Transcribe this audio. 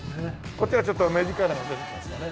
こっちはちょっと目力が出てきましたね。